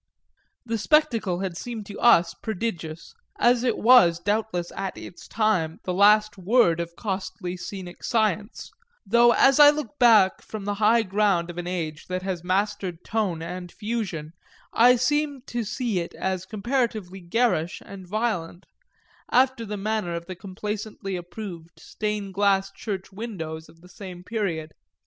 The spectacle had seemed to us prodigious as it was doubtless at its time the last word of costly scenic science; though as I look back from the high ground of an age that has mastered tone and fusion I seem to see it as comparatively garish and violent, after the manner of the complacently approved stained glass church windows of the same period.